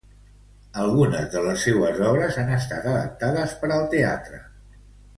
Algunes de les seues obres han estat adaptades per al teatre.